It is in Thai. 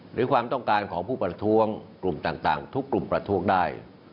หรือความต้องการของผู้ประท้วงกลุ่มต่างทุกกลุ่มประท้วงได้